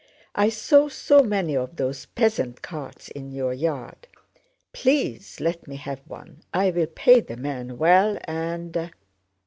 I saw so many of those peasant carts in your yard. Please let me have one, I will pay the man well, and..."